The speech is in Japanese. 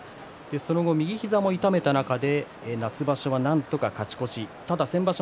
その後、右膝も痛めた中で夏場所はなんとか勝ち越し先場所